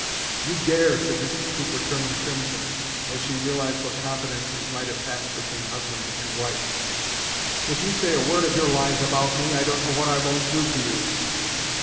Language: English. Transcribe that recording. "You dare!" said Mrs. Cooper, turning crimson, as she realized what confidences might have passed between husband and wife. "If you say a word of your lies about me, I don't know what I won't do to you."